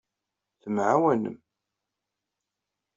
Temɛawanem.